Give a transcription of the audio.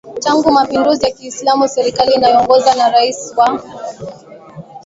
tangu mapinduzi ya Kiislamu Serikali inayoongozwa na rais wa